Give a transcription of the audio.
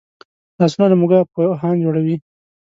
لاسونه له موږ پوهان جوړوي